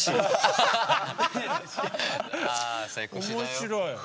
面白い。